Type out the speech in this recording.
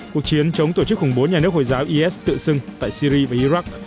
cuộc chiến chống tổ chức khủng bố nhà nước hồi giáo is tự xưng tại syri và iraq